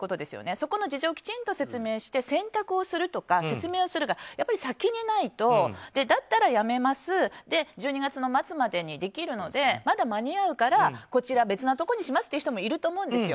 そこの事情をきちんと説明して選択をするとか説明をするが先にないとだったらやめます１２月の末までにできるのでまだ間に合うからこちら別のところにしますという人もいると思うんですよ。